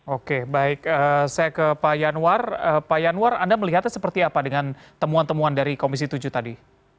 oke baik saya ke pak yanwar pak yanwar anda melihatnya seperti apa dengan temuan temuan dari komisi tujuh tadi